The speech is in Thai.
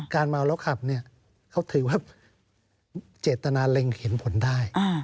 เมาแล้วขับเนี่ยเขาถือว่าเจตนาเล็งเห็นผลได้